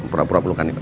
pura pura pelukan ayo